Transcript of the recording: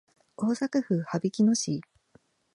大阪府羽曳野市